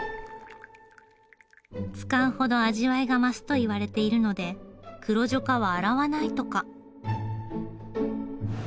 使うほど味わいが増すといわれているので黒ジョカは洗わないとか。